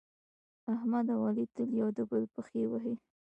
احمد او علي تل یو د بل پښې وهي.